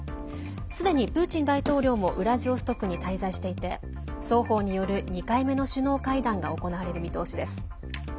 すでにプーチン大統領もウラジオストクに滞在していて双方による２回目の首脳会談が行われる見通しです。